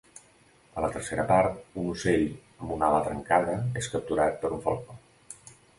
A la tercera part, un ocell amb una ala trencada és capturat per un falcó.